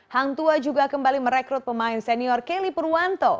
hangtua juga kembali merekrut pemain senior kelly purwanto